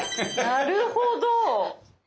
なるほど！